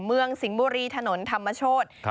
เมืองสิงบุรีถนนธรรมโชษ